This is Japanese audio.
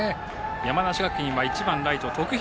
山梨学院は１番ライト徳弘